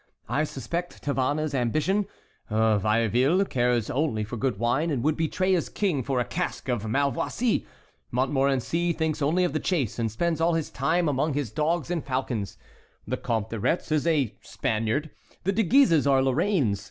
I suspect Tavannes's ambition. Vieilleville cares only for good wine, and would betray his king for a cask of Malvoisie; Montmorency thinks only of the chase, and spends all his time among his dogs and falcons; the Comte de Retz is a Spaniard; the De Guises are Lorraines.